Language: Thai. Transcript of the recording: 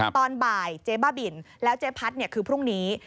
ตอนบ่ายเจ๊บ้าบินแล้วเจ๊พัดคือพรุ่งนี้